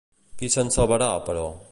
Qui se'n salvava, però?